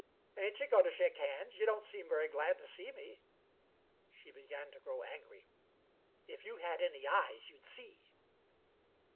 "Ain't you goin' to shake hands? Y' don't seem very glad t' see me." She began to grow angry. "If you had any eyes, you'd see."